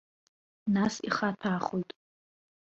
Нас ихаҭәаахоит.